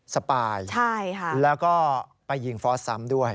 สปายแล้วก็ไปยิงฟอสซ้ำด้วย